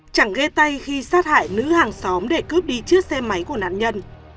chẳng ghê tay khi sát hại nữ hàng xóm để cướp đi chiếc xe máy của nạn nhân